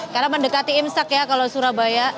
karena mendekati imsak ya kalau surabaya